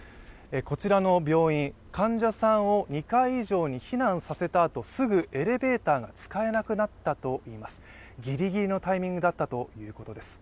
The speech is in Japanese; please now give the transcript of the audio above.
こちらの病院、患者さんを２階以上に避難させたあとすぐエレベーターが使えなくなったといいますぎりぎりのタイミングだったということです。